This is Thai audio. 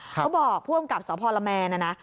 เขาบอกผู้อำกับสพละแมนนะนะ